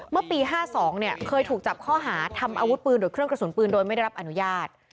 เมื่อปี๕๒เคยถูกจับข้อหาทำอาวุธปืนโดยเครื่องกระสุนปืนโดยไม่ได้รับอนุญาต